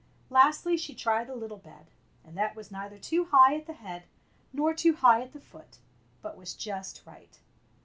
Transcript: Lastly she tried the little bed, and that was neither too high at the head nor too high at the foot, but was just right.